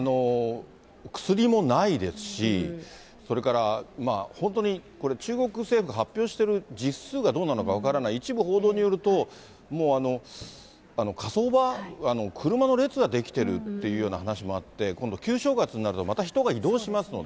薬もないですし、それから本当に、これ、中国政府が発表している実数がどうなのか分からない、一部報道によると、もう火葬場、車の列が出来てるっていうような話もあって、今度旧正月になると、また人が移動しますので。